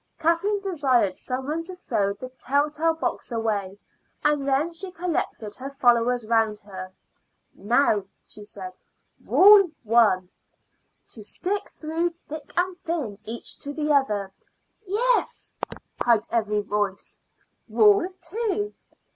Kathleen desired some one to throw the tell tale box away, and then she collected her followers round her. "Now," she said, "Rule One. To stick through thick and thin each to the other." "Yes!" cried every voice. _"Rule Two.